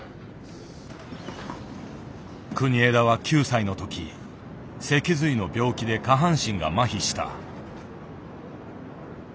国枝は９歳の時脊髄の病気で下半身が麻痺した。